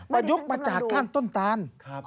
มายุกมาจากข้างต้นตาน